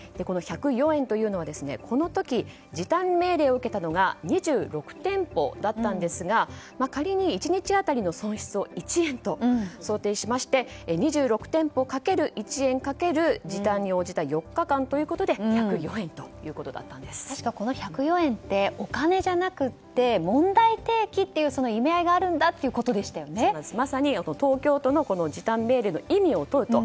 １０４円というのはこの時、時短命令を受けたのが２６店舗だったんですが仮に１日当たりの損失を１円と想定しまして２６店舗かける１円かける時短に応じた４日間でこの１０４円ってお金じゃなくて問題提起という意味合いがまさに東京都の時短命令の意味を問うと。